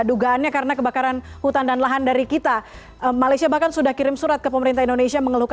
dugaannya karena kebakaran hutan dan lahan dari kita